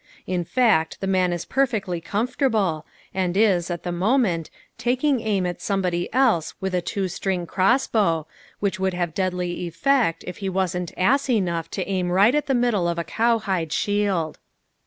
In fact the man is perfectly comfortable, and is, at the moment, taking aim at somebody else with a two string crossbow, which would have deadly effect if he wasn't ass enough to aim right at the middle of a cowhide shield.